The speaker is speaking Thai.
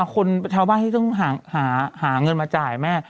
คนชาวบ้านที่ต้องหาเงินมาจ่ายแม่